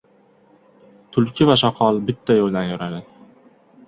• Tulki va shoqol bitta yo‘ldan yuradi.